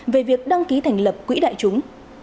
về việc đăng ký thành lập quỹ đại chúng